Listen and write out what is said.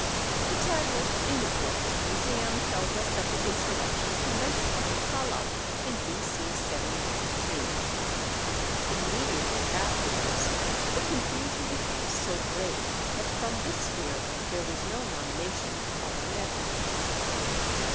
The tablet in the British Museum tells us that the insurrection commenced at Calah in B.C. 792. Immediately after this the confusion became so great that from this year there was no nomination of an eponyme.